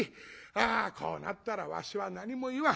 あこうなったらわしは何も言わん。